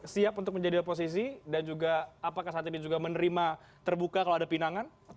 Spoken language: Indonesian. siap untuk menjadi oposisi dan juga apakah saat ini juga menerima terbuka kalau ada pinangan